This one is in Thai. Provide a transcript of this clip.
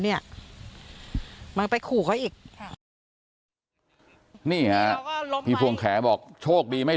เนี่ยมึงไปขู่เขาอีกค่ะนี่ฮะพี่พวงแขบอกโชคดีไม่